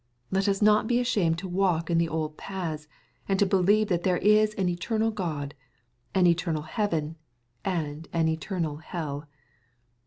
Let us not be ashamed to walk in the old paths, and to believe that there is an eternal God, an eternal heaven, and an eternal hell.